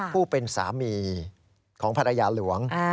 ผู้เป็นสามีของภรรยาหลวง